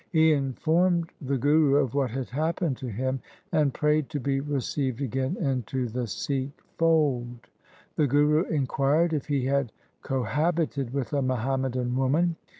He informed the Guru of what had happened to him, and prayed to be received again into the Sikh fold. The Guru inquired if he had cohabited with a Muhammadan woman.